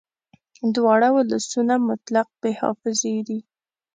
دواړه ولسونه مطلق بې حافظې دي